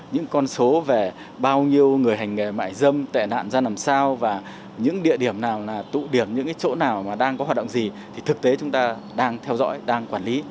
những con số về bao nhiêu người hành nghề mại dâm tệ nạn ra làm sao và những địa điểm nào là tụ điểm những cái chỗ nào mà đang có hoạt động gì thì thực tế chúng ta đang theo dõi đang quản lý